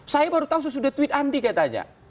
saya baru tahu sesudah tweet andi katanya